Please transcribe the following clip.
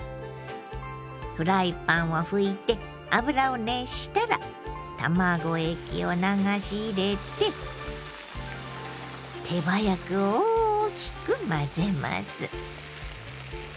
フライパンを拭いて油を熱したら卵液を流し入れて手早く大きく混ぜます。